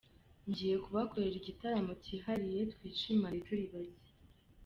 Ngiye kubakorera igitaramo cyihariye twishimane turi bake.